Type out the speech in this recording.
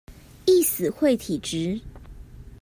易死會體質